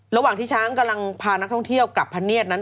ระหว่างที่ช้างกำลังพานักท่องเที่ยวกับพะเนียดนั้น